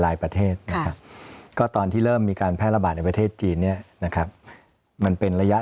ประเทศนะครับก็ตอนที่เริ่มมีการแพร่ระบาดในประเทศจีนเนี่ยนะครับมันเป็นระยะ